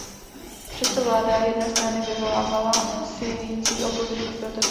Přesto vláda jedné strany vyvolávala sílící opoziční protesty.